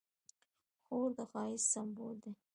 خور د ښایست سمبول ده.